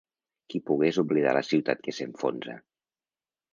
Qui pogués oblidar la ciutat que s’enfonsa!